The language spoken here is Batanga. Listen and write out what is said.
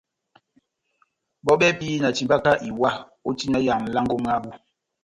Bɔ́ bɛ́hɛ́pi na timbaka iwa ó tina nʼlango mwábu.